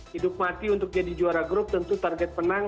hidup mati untuk jadi juara grup tentu target penang